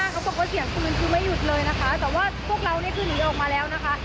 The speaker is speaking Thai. เขาบอกว่าเสียงปืนคือไม่หยุดเลยนะคะแต่ว่าพวกเราเนี่ยคือหนีออกมาแล้วนะคะ